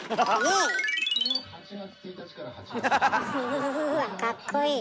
うわかっこいい。